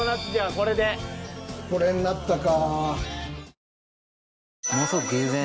これになったか。